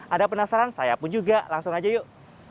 ada penasaran saya pun juga langsung aja yuk